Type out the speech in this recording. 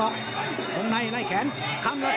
ต้องออกครับอาวุธต้องขยันด้วย